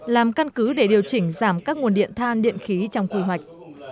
làm căn cứ để điều chỉnh giảm các nguồn điện than điện khí trong quy hoạch